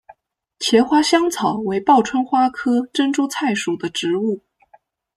茄花香草为报春花科珍珠菜属的植物。